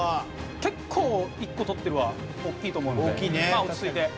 結構１個取ってるは大きいと思うのでまあ落ち着いて。